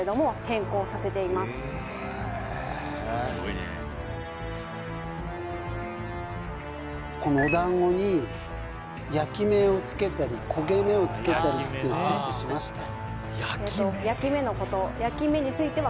今このお団子に焼き目をつけたり焦げ目をつけたりってテストしました？